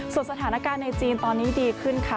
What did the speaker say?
ส่วนสถานการณ์ในจีนตอนนี้ดีขึ้นค่ะ